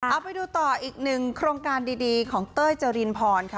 เอาไปดูต่ออีกหนึ่งโครงการดีของเต้ยเจรินพรค่ะ